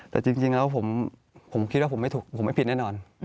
แต่จริงแล้วผมคิดว่าผมไม่ถูกผมไม่ผิดแน่นอน